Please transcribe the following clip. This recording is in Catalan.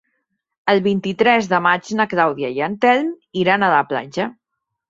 El vint-i-tres de maig na Clàudia i en Telm iran a la platja.